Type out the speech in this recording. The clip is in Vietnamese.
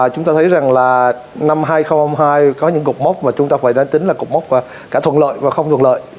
chúng ta thấy rằng là năm hai nghìn hai mươi hai có những cục mốc mà chúng ta phải đánh tính là cục mốc cả thuận lợi và không thuận lợi